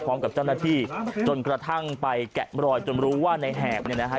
พร้อมกับเจ้าหน้าที่จนกระทั่งไปแกะรอยจนรู้ว่าในแหบเนี่ยนะฮะ